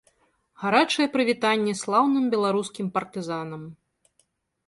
Гарачае прывітанне слаўным беларускім партызанам!